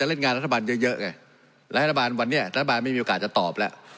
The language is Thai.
รัฐบาลวันเนี้ยรัฐบาลไม่มีโอกาสจะตอบละ